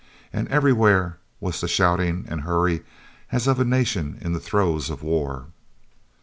And everywhere was the shouting and hurry as of a nation in the throes of war.